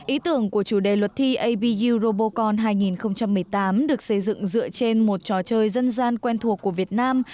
ý tưởng của chủ đề luật thi abu robocon hai nghìn một mươi tám được xây dựng dựa trên một trò chơi dân gian quen thuộc của việt nam